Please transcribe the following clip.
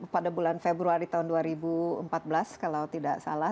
pada bulan februari tahun dua ribu empat belas kalau tidak salah